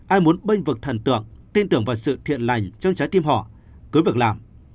ai muốn bênh vực thần tượng tin tưởng vào sự thiện lành trong trái tim họ cứ việc làm